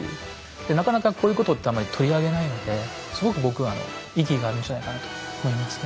でなかなかこういうことってあんまり取り上げないのですごく僕は意義があるんじゃないかなと思いますね。